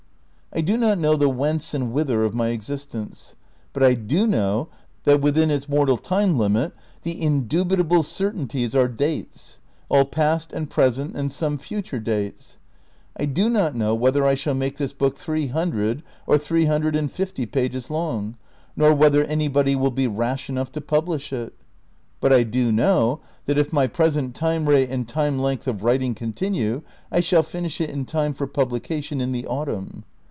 I do not know the whence and whither of my existence ; but I do know that within its mortal time limit the indubitable certainties are dates ; all past and present and some future dates. I do not know whether I shall make this book three hun dred or three hundred and fifty pages long, nor whether anybody will be rash enough to publish it, but I do know that if my present time rate and time length of writing continue I shall finish it in time for publica tion in the autumn.